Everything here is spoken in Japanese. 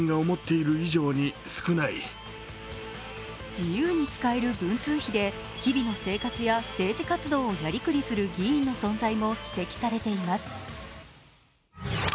自由に使える文通費で日々の生活や政治活動をやりくりする議員の存在も指摘されています。